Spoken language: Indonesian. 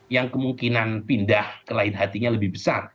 yang kemungkinan pindah ke lain hatinya lebih besar